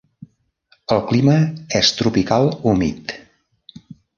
El clima és tropical humit.